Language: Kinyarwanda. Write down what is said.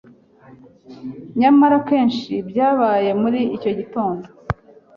nyamara akenshi byabaye muri icyo gitondo